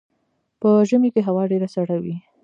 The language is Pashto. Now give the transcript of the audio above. په ژمي کې هوا ډیره سړه وي